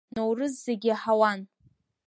Ноурыз зегь иаҳауан.